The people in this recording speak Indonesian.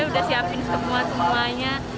udah siapin semua semuanya